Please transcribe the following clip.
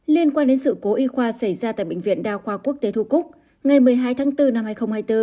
liên quan đến sự cố y khoa xảy ra tại bệnh viện đa khoa quốc tế thu cúc ngày một mươi hai tháng bốn năm hai nghìn hai mươi bốn